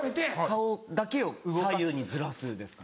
顔だけを左右にずらすですかね。